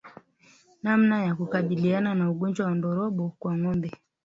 Namna ya kukabiliana na ugonjwa wa ndorobo kwa ngombe